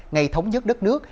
ngày thống nhất đất nước